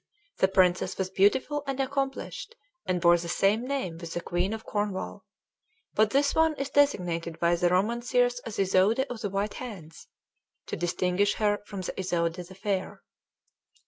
The princess was beautiful and accomplished, and bore the same name with the Queen of Cornwall; but this one is designated by the Romancers as Isoude of the White Hands, to distinguish her from Isoude the Fair.